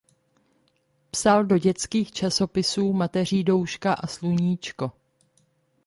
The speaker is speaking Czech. Psal do dětských časopisů "Mateřídouška" a "Sluníčko".